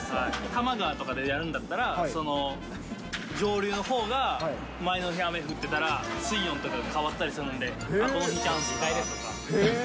多摩川とかでやるんだったら、上流のほうが前の日雨降ってたら、水温とかが変わったりするので、この日、チャンスだなとか。